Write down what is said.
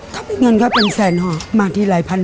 ถ้าเป็นเงินก็เป็นแสนห่อมาทีหลายพัน